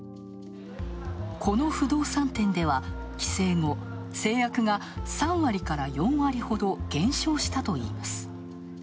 この不動産店では規制後、成約が３４割ほど減少したといいます。